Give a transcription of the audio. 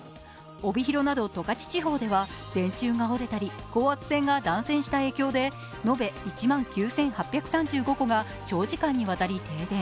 帯広など十勝地方では電柱が折れたり高圧線が断線した影響で、延べ１万９８３５戸が長時間にわたり停電。